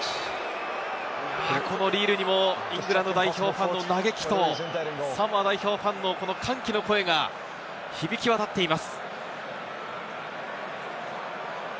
このリールにもイングランド代表ファンの嘆きと、サモア代表のファンの歓声が響き渡っています。